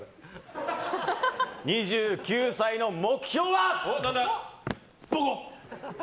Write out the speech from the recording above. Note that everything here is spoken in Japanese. ２９歳の目標は、ボコ。